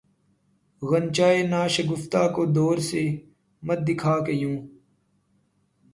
غنچۂ ناشگفتہ کو دور سے مت دکھا کہ یوں